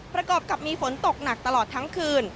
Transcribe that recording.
ประกอบกับมีฝนตกหนักตลอดทั้งคืน